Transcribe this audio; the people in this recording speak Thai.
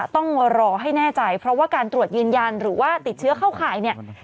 ต้องรอให้แน่ใจเพราะว่าการตรวจยืนยันหรือว่าติดเชื้อเข้าข่ายเนี่ย